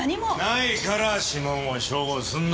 ないから指紋を照合すんの。